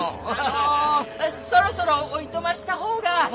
あのそろそろおいとました方が。